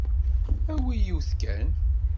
Awi yiwet kan.